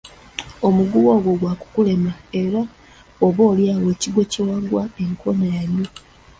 Omuguwa ogwo gwa kukulema era oba olyawo ekigwo kye wagwa enkoona yanywa.